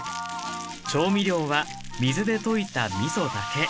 調味料は水で溶いたみそだけ。